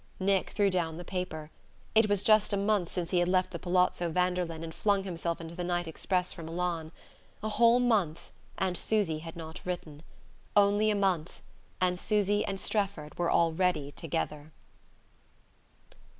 Nick threw down the paper. It was just a month since he had left the Palazzo Vanderlyn and flung himself into the night express for Milan. A whole month and Susy had not written. Only a month and Susy and Strefford were already together!